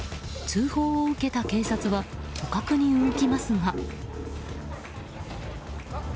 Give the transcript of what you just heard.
通報を受けた警察は捕獲に動きますが。